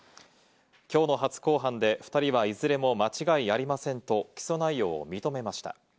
きょうの初公判で２人はいずれも間違いありませんと起訴内容を認めました。